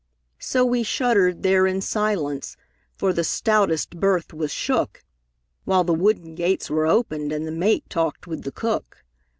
So we shuddered there in silence, For the stoutest berth was shook, While the wooden gates were opened And the mate talked with the cook.